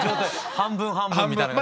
半分半分みたいな感じ？